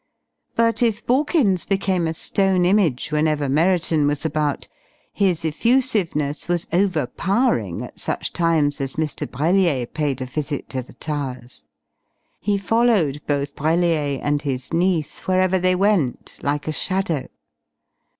But if Borkins became a stone image whenever Merriton was about, his effusiveness was over powering at such times as Mr. Brellier paid a visit to the Towers. He followed both Brellier and his niece wherever they went like a shadow.